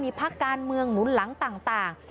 มีภาคการเมืองหนุนหลังต่าง